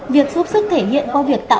việc giúp sức thể hiện qua việc tạo